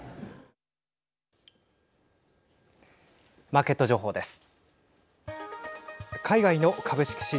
マーケット情報です。